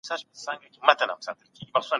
آيا ګډ ژوند انسان ته سکون ورکوي؟